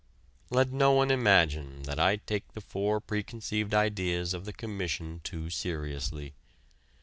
Let no one imagine that I take the four preconceived ideas of the Commission too seriously.